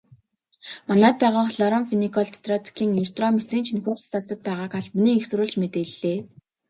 Манайд байгаа хлорамфеникол, тетрациклин, эритромицин ч энэхүү жагсаалтад байгааг албаны эх сурвалж мэдээллээ.